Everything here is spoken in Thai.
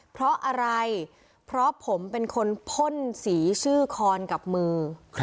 เพราะอะไรเพราะผมเป็นคนพ่นสีชื่อคอนกับมือ